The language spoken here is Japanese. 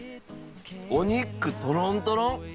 お肉とろんとろん！